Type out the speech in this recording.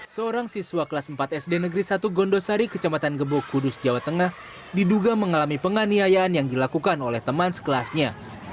seorang siswa kelas empat sd negeri satu gondosari kecamatan gebok kudus jawa tengah diduga mengalami penganiayaan yang dilakukan oleh teman sekelasnya